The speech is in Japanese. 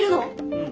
うん。